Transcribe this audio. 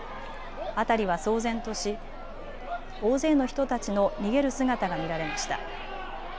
辺りは騒然とし、大勢の人たちの逃げる姿が見られました。